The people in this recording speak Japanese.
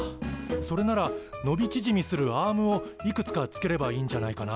それならのび縮みするアームをいくつかつければいいんじゃないかな。